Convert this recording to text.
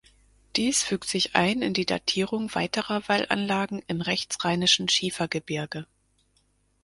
Dies fügt sich ein in die Datierung weiterer Wallanlagen im rechtsrheinischen Schiefergebirge.